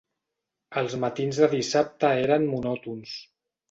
Els matins de dissabte eren monòtons.